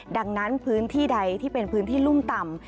ดังนั้นพื้นที่ใดที่เป็นพื้นที่รุ่มต่ำ